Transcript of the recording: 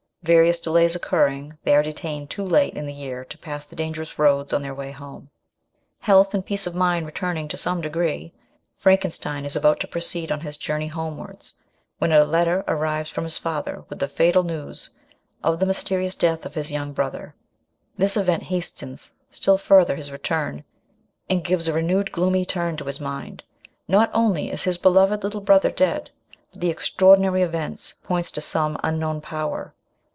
Various delays occurring, they are detained too late in the year to pass the dangerous roads on their way home. Health and peace of mind returning to some decree, Frankenstein is about to proceed on his journey home wards, when a letter arrives from his father with the fatal news of the mysterious death of his young brother. This event hastens still further his return, and gives a renewed gloomy turn to his mind ; not only is his loved little brother dead, but the extra ordinary event points to some unknown power.